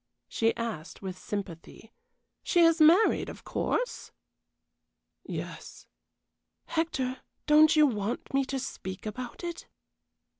she asked, with sympathy, "She is married, of course?" "Yes." "Hector, don't you want me to speak about it?"